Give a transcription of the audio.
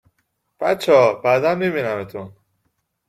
بچه ها بعدا می بینمتون